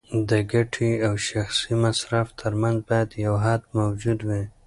د ګټې او شخصي مصرف ترمنځ باید یو حد موجود وي.